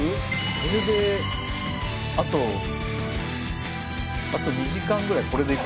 これであと２時間くらいこれでいく。